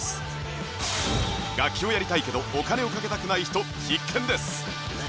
楽器をやりたいけどお金をかけたくない人必見です！